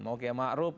mau kema arub